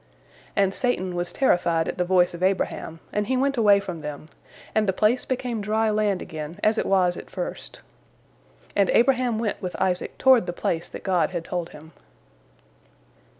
And Satan was terri fied at the voice of Abraham, and he went away from them, and the place became dry land again as it was at first. And Abraham went with Isaac toward the place that God had told him.